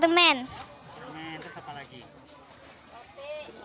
permen terus apa lagi